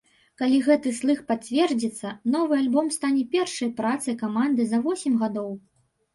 Калі гэты слых пацвердзіцца, новы альбом стане першай працай каманды за восем гадоў.